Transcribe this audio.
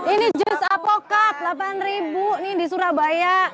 ini jus apokat rp delapan nih di surabaya